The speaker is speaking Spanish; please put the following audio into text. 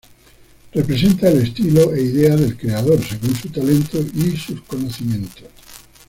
Representa el estilo e idea del creador, según su talento y sus conocimientos.